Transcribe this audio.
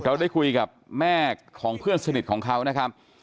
เราได้คุยกับแม่ของเพื่อนสนิทของเขานะครับ